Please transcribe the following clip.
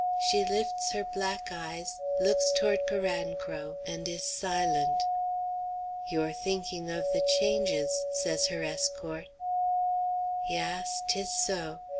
She lifts her black eyes, looks toward Carancro, and is silent. "You're thinking of the changes," says her escort. "Yass; 'tis so.